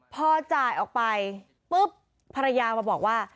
พอจ่ายออกไปปุ๊บภรรยามาบอกว่า